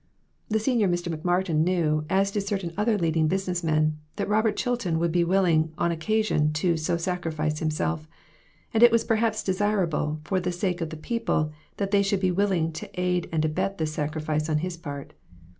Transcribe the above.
The senior McMartin knew, as did certain other leading business men, that Robert Chilton would be willing, on occasion, to "so sacrifice himself," and it was perhaps desirable, for the sake of the people, that they should be willing to aid and abet this sacrifice on his part.